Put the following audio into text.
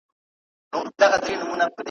چی لېوه او خر له کلي را گوښه سول `